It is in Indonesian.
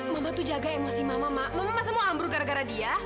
membantu jaga emosi mama mama semua ambruk gara gara dia